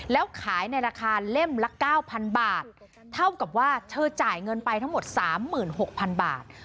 แล้วขายในราคาเล่มละ๙๐๐บาทเท่ากับว่าเธอจ่ายเงินไปทั้งหมด๓๖๐๐๐บาท